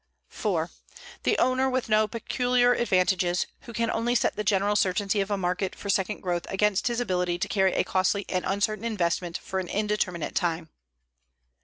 4. The owner with no peculiar advantages, who can only set the general certainty of a market for second growth against his ability to carry a costly and uncertain investment for an indeterminate time.